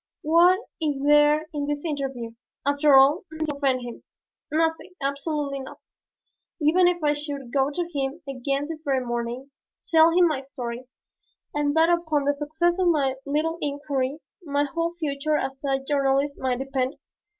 What is there in this interview, after all, to offend him? Nothing, absolutely nothing. Even if I should go to him again this very morning, tell him my story and that upon the success of my little inquiry my whole future as a journalist might depend?